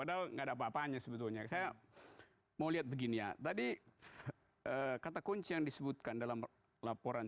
padahal enggak ada apa apanya sebetulnya saya mau lihat begini ya tadi kata kunci yang disebutkan dalam laporan